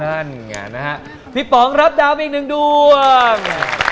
นั่นไงนะฮะพี่ป๋องรับดาวไปอีกหนึ่งดวง